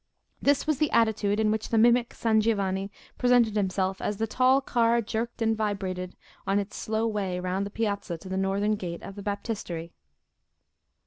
This was the attitude in which the mimic San Giovanni presented himself as the tall car jerked and vibrated on its slow way round the piazza to the northern gate of the Baptistery.